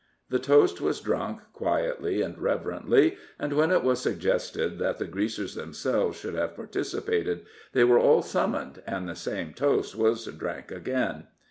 The toast was drunk quietly and reverently, and when it was suggested that the Greasers themselves should have participated, they were all summoned, and the same toast was drank again.